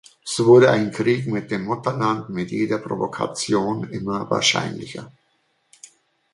So wurde ein Krieg mit dem Mutterland mit jeder Provokation immer wahrscheinlicher.